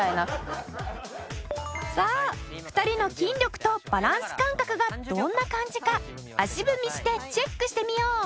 さあ２人の筋力とバランス感覚がどんな感じか足踏みしてチェックしてみよう！